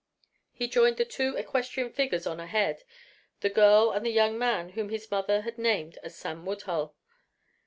He joined the two equestrian figures on ahead, the girl and the young man whom his mother had named as Sam Woodhull.